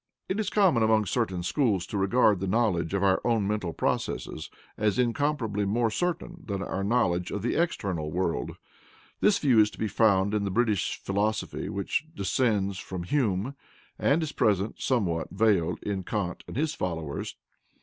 It is common among certain schools to regard the knowledge of our own mental processes as incomparably more certain than our knowledge of the "external" world; this view is to be found in the British philosophy which descends from Hume, and is present, somewhat veiled, in Kant and his followers.